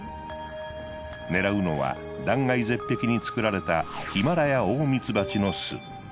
狙うのは断崖絶壁に作られたヒマラヤオオミツバチの巣。